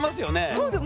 そうです。